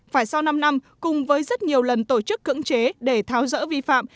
phải sau năm năm cùng với rất nhiều lần tổ chức cưỡng chế để tháo rỡ vi phạm